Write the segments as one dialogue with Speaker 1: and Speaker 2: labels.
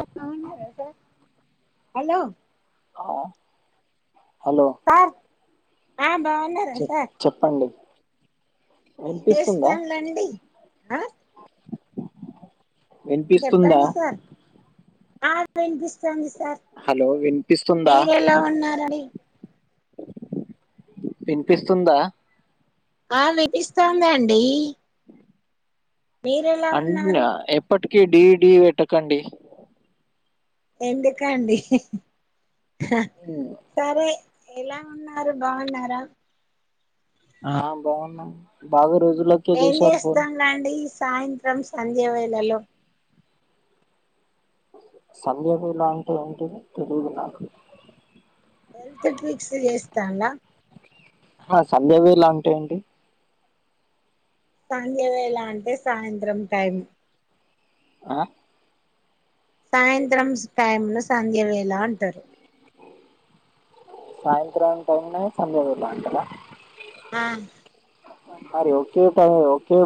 Speaker 1: ఆహ్ బాగున్నారా sir. Hello.
Speaker 2: ఆహ్ హలో
Speaker 1: ఆహ్ బాగున్నారా
Speaker 2: చె
Speaker 1: సార్.
Speaker 2: చెప్పండి
Speaker 1: ఏం
Speaker 2: వినిపిస్తుందా
Speaker 1: చేస్తాన్లండి ఆహ్.
Speaker 2: వినిపిస్తుందా.
Speaker 1: ఆహ్ వినిపిస్తుంది సార్.
Speaker 2: హలో వినిపిస్తుందా
Speaker 1: మీరు ఎలా ఉన్నారండి.
Speaker 2: వినిపిస్తుందా.
Speaker 1: ఆహ్ వినిపిస్తోందండి. మీరెలా
Speaker 2: అన్న్
Speaker 1: ఉన్నారు
Speaker 2: ఎప్పటి. డి డి పెట్టకండి.
Speaker 1: ఎందుకండీ. ఆహ్
Speaker 2: ఉమ్,
Speaker 1: సరే. ఎలా ఉన్నారు బాగున్నారా.
Speaker 2: ఆహ్ బాగున్నాం బాగున్ రోజులకే
Speaker 1: ఏం
Speaker 2: చేశారు. ఫోన్
Speaker 1: చేస్తానులండి ఈ సాయంత్రం సంధ్యవేళలో.
Speaker 2: సంధ్యవెళా అంటే ఏంటిది తెలిదు నాకు.
Speaker 1: హెల్త్ ట్రిక్స్ చేస్తంల్లా.
Speaker 2: ఆహ్ సంధ్యా వేళ అంటే ఏంటి.
Speaker 1: సంధ్యవేళా అంటే సాయంత్రం టైం.
Speaker 2: ఆహ్.
Speaker 1: సాయంత్రం టైంను. సంధ్య వేళ అంటారు.
Speaker 2: సాయంత్రం టైమ్ను సంధ్య వేళా అంటారా.
Speaker 1: ఆహ్.
Speaker 2: మరి ఒకే టైం ఒకే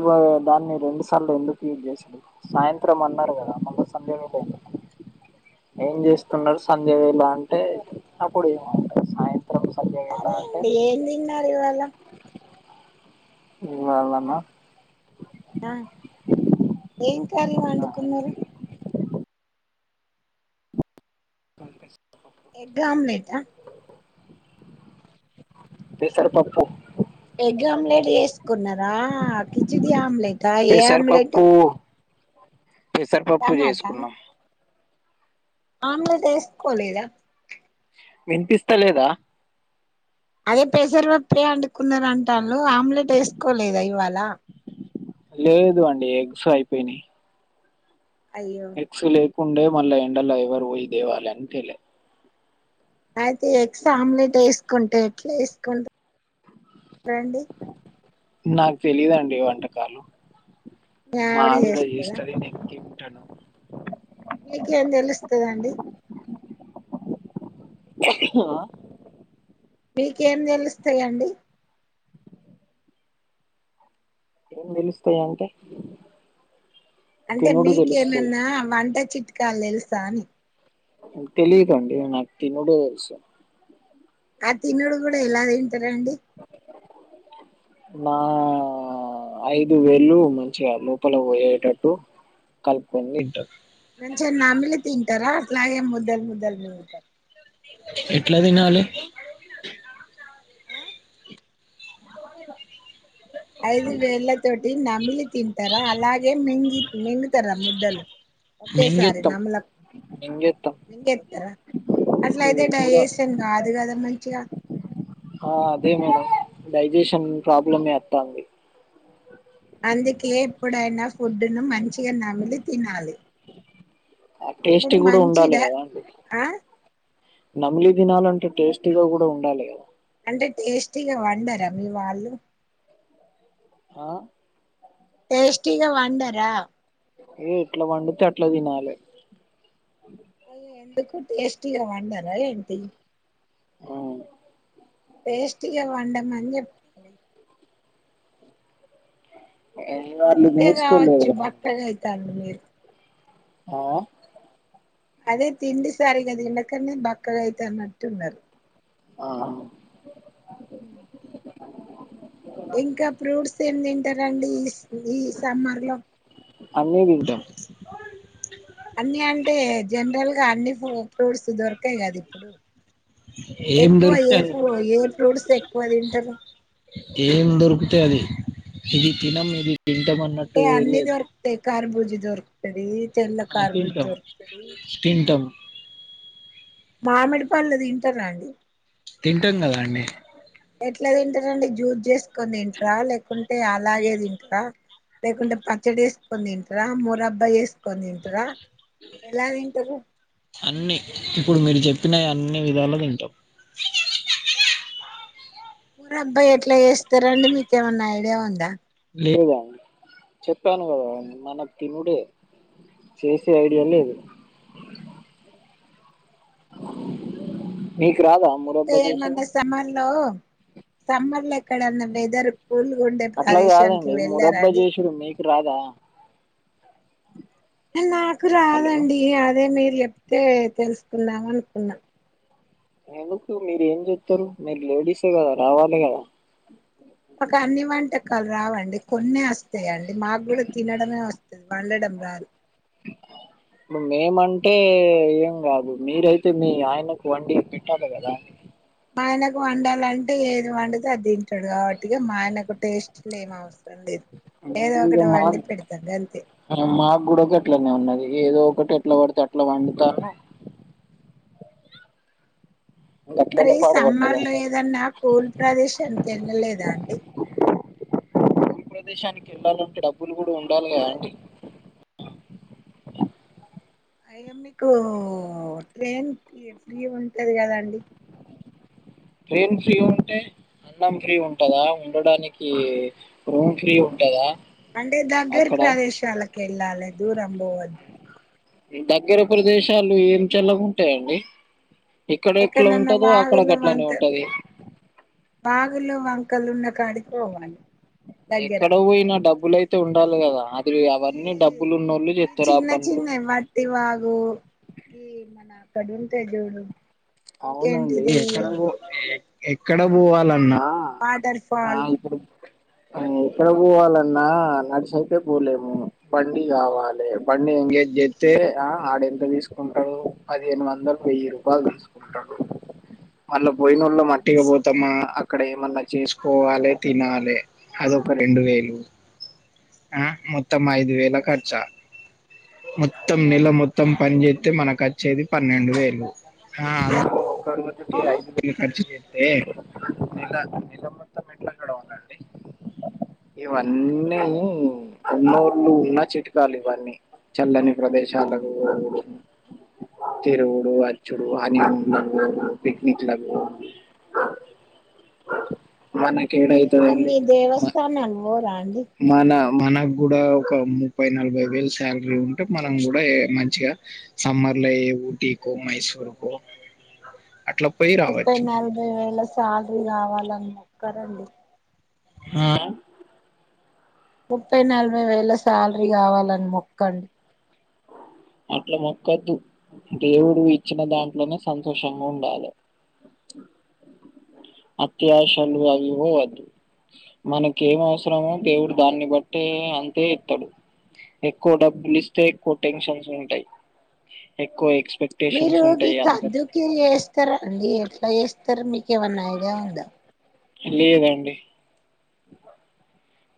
Speaker 2: దాన్ని రెండు సార్లు ఎందుకు యూజ్ చేస్తుంరు సాయంత్రం అన్నారు కదా. మళ్ళ సంధ్య వేళ ఏంది. ఏం చేస్తున్నారు. సంధ్య వేళ అంటే అప్పుడు ఏమంటారు. సాయంత్రం సంధ్య వేళ
Speaker 1: సరే
Speaker 2: అంటే
Speaker 1: అండి ఏం తిన్నారు. ఇవాళ
Speaker 2: ఇవాళనా.
Speaker 1: ఆ ఏం కర్రీ వండుకున్నారా.
Speaker 2: కొనుకొచ్చి
Speaker 1: ఎగ్ ఆమ్లెటా
Speaker 2: పెసర్ పప్పు
Speaker 1: ఎగ్ ఆమ్లెట్ ఏసుకున్నారా కిచడి ఆమ్లె
Speaker 2: పెసర పప్పు పెసరపప్పు
Speaker 1: టమాటా
Speaker 2: చేసుకున్నాం
Speaker 1: ఆమ్లెట్ ఏసుకోలేదా.
Speaker 2: వినిపిస్తలేదా
Speaker 1: అదే పెసర పప్పే అండుకున్నారంటాళ్ళు ఆమ్లెట్ ఏసుకోలేదా ఇవాళ
Speaker 2: లేదు అండి ఎగ్స్ అయిపోయినాయి.
Speaker 1: అయ్యో
Speaker 2: ఎగ్స్ లేవు కుండే మళ్ళ ఎండలో ఎవరు పోయి తేవాలి అని తేలే
Speaker 1: అయితే ఎగ్స్ ఆమ్లెట్ ఏసుకుంటే ఎట్లా ఏసుకుంట రండి.
Speaker 2: నాకు తెలియదండి వంటకాలు
Speaker 1: మీ
Speaker 2: మా ఆవిడ
Speaker 1: చేస్తదా
Speaker 2: హిస్టరి నీకి ట్టను
Speaker 1: మీకు ఏం తెలుస్తదండి
Speaker 2: [unintelligible] న్నావా
Speaker 1: మీకేం తెలుస్తాయండి
Speaker 2: ఏం తెలుస్తాయంటే
Speaker 1: అంటే మీకేమన్నా వంట చిట్కాలు తెలుసా అని
Speaker 2: తెలిదండి నాకు తినుడు తెలుసు
Speaker 1: ఆ తినడు కూడా ఎలా తిన్ తే లేండి
Speaker 2: నా ఐదు వేళ్ళు మంచిగా లోపల పోయేటట్టు కలుపుకొని తింటా
Speaker 1: నం చెం నమిలి తింటారా ట్లాయే ముదల్ ముదల్ మింగుతా
Speaker 2: ఎట్లా తినాలి
Speaker 1: ఆ?
Speaker 2: [inaudible]
Speaker 1: ఐదు వేళ్ల తోటి నమిలి తింటారా అలాగే మింగి మింగిల్ స్తారా ముద్దలు ఒకేసారి
Speaker 2: మింగేత్తం
Speaker 1: నమలకు
Speaker 2: మింగేత్తం
Speaker 1: మింగేత్తారా అసలైతే
Speaker 2: కూర
Speaker 1: డైసేషన్ కాదు కదా మంచిగా
Speaker 2: ఆ అదే మేడం డైజెషన్ ప్రాబ్లం ఏత్తాంది
Speaker 1: అందుకే ఎప్పుడైనా ఫుడ్డు ను మంచిగా నమిలి తినాలి
Speaker 2: ఆ టేస్ట్
Speaker 1: అప్పుడు
Speaker 2: కూడా
Speaker 1: మంచి
Speaker 2: ఉండాలి
Speaker 1: డ
Speaker 2: కదా అండి
Speaker 1: ఆ
Speaker 2: నమిలి తినాలంటే టేస్టు గా కూడా ఉండాలి కదా
Speaker 1: అంటే టేస్టీగా వండరా మీ వాళ్ళు
Speaker 2: ఆ
Speaker 1: టేస్టిగా వండరా
Speaker 2: ఏ ఎట్లా వండుతే అట్లా తినాలె
Speaker 1: అయ్య ఎందుకు టేస్టీ గా వండరా ఏంటి
Speaker 2: ఆ
Speaker 1: టేస్ట్ గా వండమని జెప్
Speaker 2: వాళ్ళు
Speaker 1: అందుకే
Speaker 2: నేర్చుకోలేదు
Speaker 1: కావచ్చు
Speaker 2: కదా
Speaker 1: బక్కగ అయితాండ్రు మీరు [inaudible]
Speaker 2: ఆ
Speaker 1: అదే తిండిసరిగ తినకనే బక్కగా అయితన్నట్టున్నరు
Speaker 2: ఆ
Speaker 1: హ్మ్
Speaker 2: [inaudible]
Speaker 1: ఏం తింటారండి ఈ ఈ సమ్మర్ లో
Speaker 2: అన్నీ తింటాం
Speaker 1: అన్నీ అంటే జనరల్ గా అన్ని ఉ ఫ్రూట్స్ దొరకయి కదు ఇప్పుడు
Speaker 2: ఏం
Speaker 1: ఎక్కువ
Speaker 2: దొరుకుతే
Speaker 1: ఏ
Speaker 2: అది
Speaker 1: ఫూ ఏ ఫ్రూట్స్ ఎక్కువ తింటరు
Speaker 2: ఏం దొరికితే అది ఇది తినం ఇది తింటాం
Speaker 1: అంటే
Speaker 2: అన్నట్టు
Speaker 1: అన్ని
Speaker 2: లేదు
Speaker 1: దొరుకుతాయి కర్బు ఇద్ దొరుకుతది తెల్ల
Speaker 2: ఆయ్
Speaker 1: కర్బూజ
Speaker 2: తింటం
Speaker 1: దొరుకుతది
Speaker 2: తింటం
Speaker 1: మామిడిపల్లు తింటరాండి
Speaker 2: తింటం కదా అండి
Speaker 1: ఎట్లా తింటారు అండి జ్యూస్ చేసుకొని తింటారా, లేకుంటే అలాగే తింటారా, లేకుంటే పచ్చడి వేసుకొని తింటారా, మూరబ్బా చేసుకొని తింటరా. ఎలా తింటరు
Speaker 2: అన్నీ ఇప్పుడు మీరు చెప్పినవి అన్ని విధాలు తింటాం
Speaker 1: ఉరబ్బాయ్ ఎట్లా చేస్తారండి మీకేమన్నా ఐడియా ఉందా
Speaker 2: లేదా చెప్పాను కదా మనం తినుడే చేసే ఐడియా లేదు. నీకు రాదా మురబ్బా చేసుడు
Speaker 1: సమ్మర్ల ఎక్కడన్న వెదరు
Speaker 2: అట్లా కాదండి మురబ్బా చేసుడు మీకు రాదా
Speaker 1: నాకు
Speaker 2: హలో
Speaker 1: రాదండి అదే మీర్ యెప్తే తెలుసుకుందాం అనుకున్నా
Speaker 2: ఎందుకు మీరు ఏం జేత్తరు మీరు లేడీసే కదా రావాలి కదా
Speaker 1: ఒక అన్ని వంటకాలు రావండి కొన్నే వస్త ఏ మాగ్గూడ తినడమే వస్తది వాళ్ళడం రాదు
Speaker 2: ఇప్పుడు మేమంటే ఏం కాదు, మీరైతే మీ ఆయనకు వండి పెట్టాలి కదా.
Speaker 1: ఆయనకు వండాలంటే ఏది వండుతే అ దిం టడు కావట్టిగా మా ఆయనకు టేస్ట్లు ఏం అవసరం లేద్,
Speaker 2: నేను
Speaker 1: ఏదో
Speaker 2: ఇగ
Speaker 1: ఒకటి
Speaker 2: మా
Speaker 1: వండి పెడతాన్ గంతే.
Speaker 2: మాకు కూడా గట్లనే ఉన్నది [unintelligible] ఎట్లా వడీతే అట్లా వండుతర్రు
Speaker 1: మరి
Speaker 2: గట్లనే పాడుపడ్డది
Speaker 1: సమ్మర్లో
Speaker 2: అందరు
Speaker 1: ఏదన్నా కూల్ ప్రదేశానికి ఏళ్ళలేదా అండి.
Speaker 2: ఉన్నదేశనికి వెళ్ళాలంటే డబ్బులు కూడా ఉండాలీ
Speaker 1: ఆ
Speaker 2: గాదండి.
Speaker 1: అయ్యా మీకు ట్రైన్కి ఫ్రీ ఉంటది. కదా అండి
Speaker 2: ట్రైన్ ఫ్రీ ఉంటే అన్నం ఫ్రీ ఉంటందా ఉండడానికి రూమ్ ఫ్రీ ఉంటందా
Speaker 1: అంటే దగ్గరీ ప్రదేశాలకి ఏళ్లలే దూరం పోవద్దు.
Speaker 2: దగ్గర ప్రదేశాలు ఏమి చల్లాగ ఉంటాయండి. ఎక్కడ ఎక్కడ
Speaker 1: ఎక్కడన్నా
Speaker 2: ఉంటదో అక్కడ
Speaker 1: వాగులు
Speaker 2: గట్లనే
Speaker 1: వంత
Speaker 2: ఉంటది.
Speaker 1: వాగులు వంకలు ఉన్న కాడికి పోవాలి. దగ్గర
Speaker 2: ఎక్కడ పోయినా డబ్బులయితే ఉండాలి. గాదా ఇప్పుడు అవన్నీ
Speaker 1: ఈ
Speaker 2: డబ్బులు ఉన్నోళ్ళు
Speaker 1: ఈ
Speaker 2: చెత్తరు. ఆ
Speaker 1: చిన్న
Speaker 2: పనులు
Speaker 1: చిన్నవి వట్టి వాగు ఈ మన అక్కడ ఉంటది చూడు
Speaker 2: అవునండి.
Speaker 1: ఇంకేంటిది
Speaker 2: ఎక్కడ ఎక్కడ పోవాలన్నా
Speaker 1: వాటర్ ఫాల్
Speaker 2: ఎక్కడికి పోవాలన్నా నడిసి ఆయితే పోలేము. బండి కావాలి బండి ఎంగేజ్ చేత్తే ఆ ఆడ ఎంత తీసుకుంటాడో పదిహేను వందలు వెయ్యి రూపాయలు తీసు కుంటాడు. మళ్ళ పోయినోళ్ళ ఆట్టిగా పోతామా అక్కడ ఏమన్నా చేసుకోవాలి తినాలి. అదొక రెండు వేలు ఆ మొత్తం ఐదు వేల ఖర్చా మొత్తం నేల మొత్తం పని చేత్తే మనకు వచ్చేది పన్నెండు వేలు ఆ [unintelligible] [unintelligible] ఉట్టిగా
Speaker 1: ఆహా
Speaker 2: అయిదు వేలు ఖర్చు చే ఏ నేల నేల మొత్తం ఏట్ల గడవాలి అండి ఇవన్నీ ఉన్న ఊరిలో ఉన్న చిట్కాలు ఇవన్నీ చల్లని ప్రదేశాలకు పోవడం తిరుగుడు ఆ ఇప్పుడు హాని మూన్ కు పోవుడు పిక్నిక్ లకు పోవుడు మనకి
Speaker 1: ఏదైన తమ్మి దేవస్థాననికి పోరా అండి
Speaker 2: మనా మనకు గూడా ఒక ముప్పై నలభై వేలు శాలరీ ఉంటే. మనం గుడా ఏ మంచిగా సమ్మర్ ఏ ఊటీకో మైసూర్కో
Speaker 1: ముప్పై నలభై వేల సాలరి రీ కావాలని మొక్కారండి.
Speaker 2: ఆ
Speaker 1: ముప్పై నలభై వేల శాలరీ కావాలని మొక్కండి.
Speaker 2: అట్లా మొక్కొద్దు దేవుడు ఇచ్చిన దాంట్లోనే సంతోషంగా ఉండాలి అత్యాశాలు అవి పోవద్దు మనకేం అవసరమో దేవుడు దాన్ని బట్టే అంతే ఇత్తాడు ఎక్కువ డబ్బులు ఇస్తే ఎక్కువ టెన్షన్ ఉంటాయి ఎక్కువ ఎక్స్
Speaker 1: మీరు ఈ కందుకి ఏస్తార అండి ఎట్లా చేస్తారు మీక్ ఎవన్న ఐడియా ఉందా
Speaker 2: లేదండి [inaudible]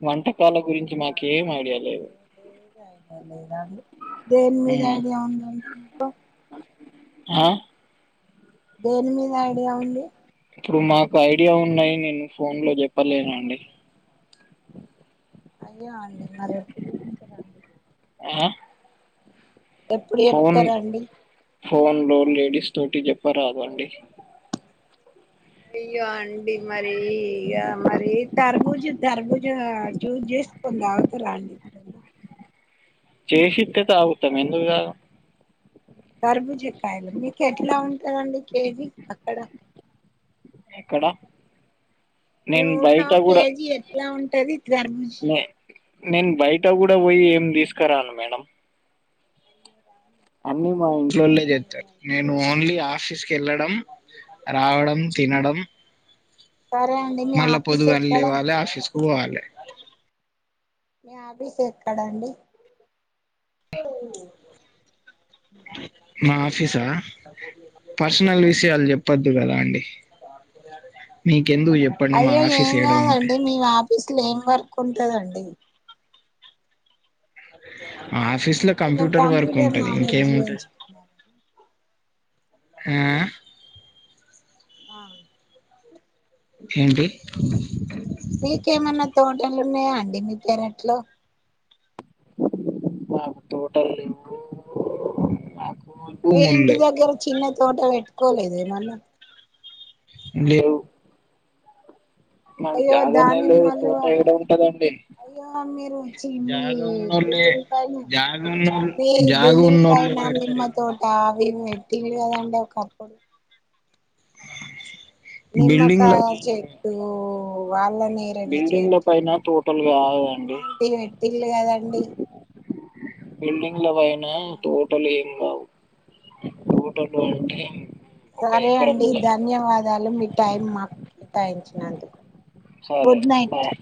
Speaker 2: వంట
Speaker 1: దేని మీద
Speaker 2: ఉమ్.
Speaker 1: ఐడియా ఉందండి ఇంకా
Speaker 2: ఆ
Speaker 1: దేని మీ ఐడియ ఉంది
Speaker 2: ఇప్పుడు మాకు ఐడియా ఉన్నాయి నేను ఫోన్ లో చెప్పలేను అండి
Speaker 1: అయ్యో అండి మరి ఎప్పుడు చెప్తారండి
Speaker 2: ఆ
Speaker 1: ఎప్పుడు
Speaker 2: ఫోన్
Speaker 1: చెప్తారండి
Speaker 2: ఫోన్ లో లేడిస్ తోటి చెప్ప రాదు అండి
Speaker 1: అయ్యో అండి మరి మరి తరబుజు తరబుజు చూస్ చేసుకొని తగుతారా అండి
Speaker 2: చేసితే ఆగుతాం ఎందుకు తాగం
Speaker 1: కర్బుజకాయలు మీకు ఎట్లా ఉంటందండి కేజీ అక్కడ
Speaker 2: ఎక్కడ
Speaker 1: మీ
Speaker 2: నేను
Speaker 1: ఊళ్ళో
Speaker 2: బయట కూడా
Speaker 1: కేజీ ఎట్లా ఉంటది గర్భూజ
Speaker 2: నే నేను బయట కూడా పోయి ఏం తీసుకురాను మేడం అన్నిీ మా ఇంట్లోళ్లే చెత్తరు నేను ఓన్లీ ఆ ఫీస్క వెళ్ళడం రావడం తినడం
Speaker 1: సరే అండి మీ
Speaker 2: మళ్ళా
Speaker 1: ఆఫీస్
Speaker 2: పొదుగల్నే
Speaker 1: ఎక్కడ
Speaker 2: లేవాలే ఆఫీస్ పోవాలే
Speaker 1: మీ ఆఫీస్ ఎక్కడ అండి ఉ
Speaker 2: మా ఆఫీసా పర్సనల్ విషయాలు చెప్పొద్దు కదా అండి మీక్
Speaker 1: అయ్యో ఏం కాదండి మీ ఆఫీసు లో ఏం వర్క్ కుంటదండి
Speaker 2: అ ఆఫీస్ లో
Speaker 1: కొంచెం
Speaker 2: కంప్యూటర్ వర్క్ ఉంటది
Speaker 1: నాలెడ్జ్
Speaker 2: ఇంకేముంటది
Speaker 1: పెంచుకున్నాను
Speaker 2: ఆ
Speaker 1: ఆ
Speaker 2: ఏంటి
Speaker 1: వీ పెరట్లో
Speaker 2: మాకు తోటల్లేవ్వు
Speaker 1: ఏ ఇంటి దగ్గర చిన్న తోట పెట్టుకోలేదు ఏమన్నా
Speaker 2: లేదు
Speaker 1: అయ్యో
Speaker 2: లేవు
Speaker 1: దానిమ్మలు
Speaker 2: తోట ఏడ ఉంటదండి
Speaker 1: అయ్యో మీరు వచ్చి మీ
Speaker 2: జాగ ఉన్నోళ్ళే
Speaker 1: బిల్డింగ్ పైన
Speaker 2: జాగ ఉన్నోళ్ళు
Speaker 1: మీ
Speaker 2: జాగ
Speaker 1: బిల్డింగ్
Speaker 2: ఉన్నోళ్ళే
Speaker 1: పైన
Speaker 2: పెడతారు
Speaker 1: నిమ్మ తోట అవి తిడి గదండి ఒక కప్పుడు
Speaker 2: బిల్డింగ్ల
Speaker 1: నిమ్మకాయ
Speaker 2: పైన
Speaker 1: చెట్టు ఓ వాళ నేరేడు
Speaker 2: బిల్డింగ్ల
Speaker 1: చెట్లు
Speaker 2: పైన తోటలు కాదండి
Speaker 1: ఇలాంటి వేటిల్లు కదండి
Speaker 2: బిల్డింగ్ లో వైన తోటల్ ఏం తోటల్లు వడ్డయ
Speaker 1: సరే అండి ధన్యవాదాలు మీ టైం మాకు కేటాయించినందుకు
Speaker 2: సరే
Speaker 1: గుడ్ నైట్
Speaker 2: బాయి